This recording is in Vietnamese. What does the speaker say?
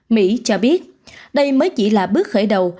mỹ cho biết đây mới chỉ là bước khởi đầu